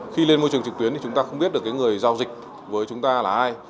khi lên môi trường trực tuyến thì chúng ta không biết được cái người giao dịch với chúng ta là ai